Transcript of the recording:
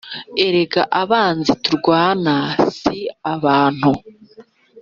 Erega abanzi turwana si abantu